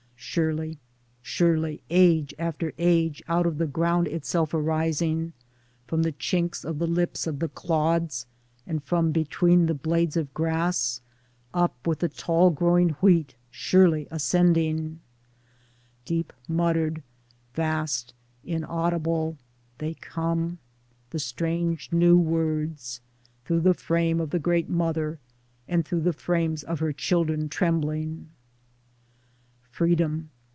Surely, surely, age after age out of the ground itself arising, from the chinks of the lips of the clods and from between the blades of grass, up with the tall growing wheat surely ascending Deep muttered, vast, inaudible — they come — the strange new words, through the frame of the great Mother and through the frames of her children trembling : Freedom